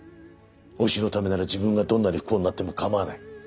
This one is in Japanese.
推しのためなら自分がどんなに不幸になっても構わない。